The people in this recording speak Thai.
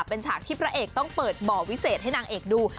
เป็นฉากที่พระเอกต้องเปิดบ่อวิเศษให้นางเอกดู